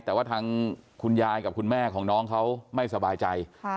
แต่ว่าทางคุณยายกับคุณแม่ของน้องเขาไม่สบายใจ